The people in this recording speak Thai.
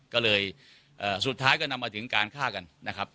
ก็เลยสุดท้ายก็นำมาถึงการฆ่ากันนะครับ